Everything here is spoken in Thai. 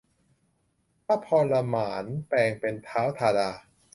พระพรหมานแปลงเป็นท้าวธาดา